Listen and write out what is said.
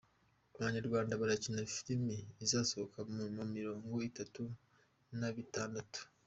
Abanyarwanda barakina filimi izasohoka mu mirongo itatu nabitandatu